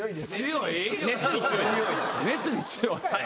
熱に強い？